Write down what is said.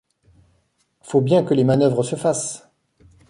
Faut bien que les manœuvres se fassent…